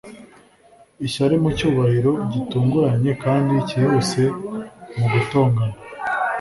Ishyari mucyubahiro gitunguranye kandi cyihuse mu gutongana